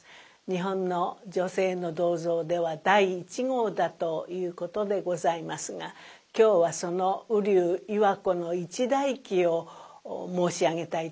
日本の女性の銅像では第１号だということでございますが今日はその瓜生岩子の一代記を申し上げたいと思います。